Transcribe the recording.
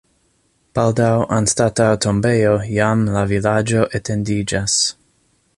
Baldaŭ anstataŭ tombejo jam la vilaĝo etendiĝas.